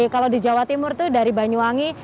kalau di jawa timur itu dari banyuwangi